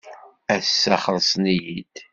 Ass-a xellsen-iyi-d.